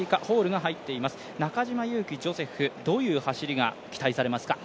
中島佑気ジョセフ、どういう走りが期待されますか。